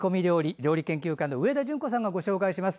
料理研究家の上田淳子さんがご紹介します。